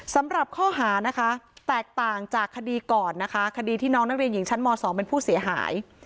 สำหรับข้อหานะคะแตกต่างจากคดีก่อนนะคะคดีที่น้องนักเรียนหญิงชั้นม๒เป็นผู้เสียหาย